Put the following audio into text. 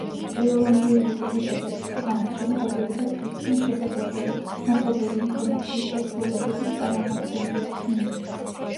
ირლანდიური ვიკიპედიის გამოჩენა დადებითად იქნა შეფასებული მასობრივი ინფორმაციის საშუალებების წარმომადგენლების მიერ.